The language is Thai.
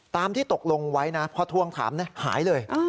ที่ตกลงไว้นะพอทวงถามหายเลย